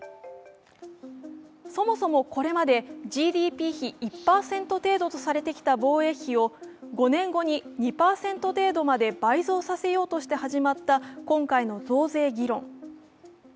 そもそもこれまでＧＤＰ比１％程度とされてきた防衛費を５年後に２％程度まで倍増させようとして始まった今回の増税議論。